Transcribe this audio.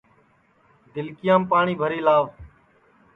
دِلکِیام پاٹؔی بھری لاو